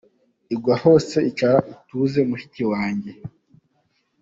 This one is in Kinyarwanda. Igwa hose icara utuze mushiki wanjye.